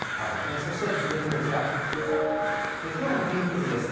そして続いてこちら、きょうの天気図です。